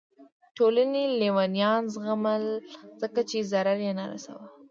ټولنې لیونیان زغمل ځکه چې ضرر یې نه رسوه.